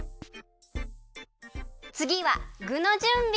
つぎはぐのじゅんび。